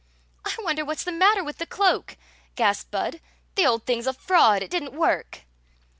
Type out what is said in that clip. I wonder what 's the matter with the cloak," gasped Bud. "The old thing 's a fraud; it did nt work."